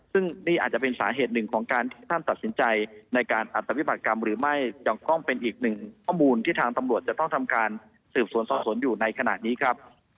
สำหรับรายละเอียดเบื้องต้นในเหตุการณ์นี้ค่ะ